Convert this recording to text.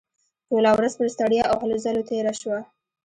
ټوله ورځ پر ستړیا او هلو ځلو تېره شوه